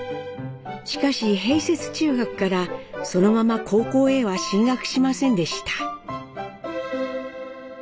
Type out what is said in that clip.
しかし併設中学からそのまま高校へは進学しませんでした。